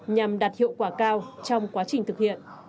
nhằm đạt hiệu quả cao trong quá trình thực hiện